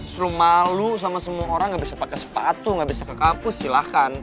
terus lo malu sama semua orang gak bisa pakai sepatu gak bisa ke kampus silahkan